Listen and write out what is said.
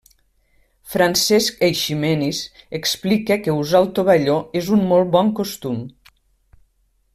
Francesc Eiximenis explica que usar el tovalló és un molt bon costum.